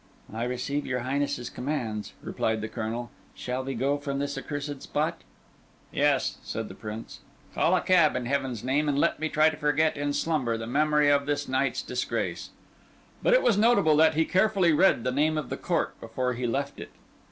"I receive your Highness's commands," replied the Colonel. "Shall we go from this accursed spot?" "Yes," said the Prince. "Call a cab in Heaven's name, and let me try to forget in slumber the memory of this night's disgrace." But it was notable that he carefully read the name of the court before he left it.